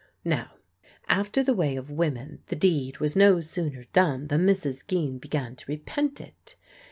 Now, after the way of women, the deed was no sooner done than Mrs. Geen began to repent it.